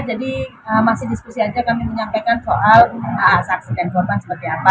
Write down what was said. jadi masih diskusi aja kami menyampaikan soal saksi dan korban seperti apa